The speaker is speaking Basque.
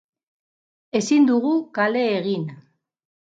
Ezin dugu kale egin.